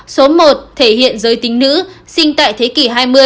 số một thể hiện giới tính nữ sinh tại thế kỷ hai mươi